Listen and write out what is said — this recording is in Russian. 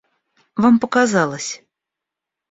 — Вам показалось.